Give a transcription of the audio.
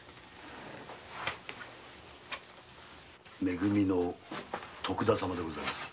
め組の徳田様でございます。